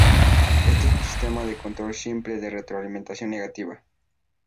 Esto es un sistema de control simple de retroalimentación negativa.